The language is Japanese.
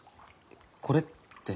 これって。